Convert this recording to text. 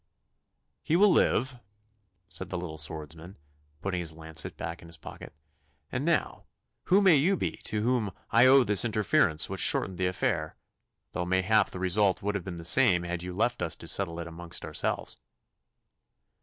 'He will live,' said the little swordsman, putting his lancet back in his pocket. 'And now, who may you be to whom I owe this interference which shortened the affair, though mayhap the result would have been the same had you left us to settle it amongst ourselves?